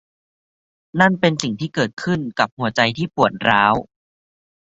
นั่นเป็นสิ่งที่เกิดขึ้นกับหัวใจที่ปวดร้าว